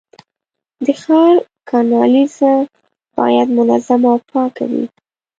د ښار کانالیزه باید منظمه او پاکه وي.